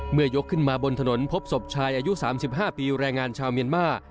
ยกขึ้นมาบนถนนพบศพชายอายุ๓๕ปีแรงงานชาวเมียนมา